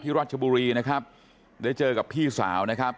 รัชบุรีนะครับได้เจอกับพี่สาวนะครับ